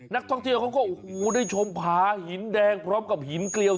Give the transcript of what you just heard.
นักท่องเที่ยวเขาก็โอ้โหได้ชมผาหินแดงพร้อมกับหินเกลียว